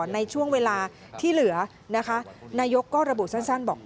ในช่วงเวลาที่เหลือนะคะนายกก็ระบุสั้นบอก